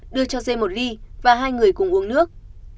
đưa cho dê một ly và hai người cùng uống nước